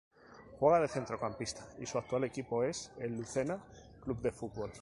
Juega de centrocampista y su actual equipo es el Lucena Club de Fútbol.